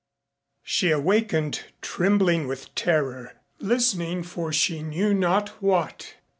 She awakened, trembling with terror, listening for she knew not what.